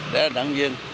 đại là đảng viên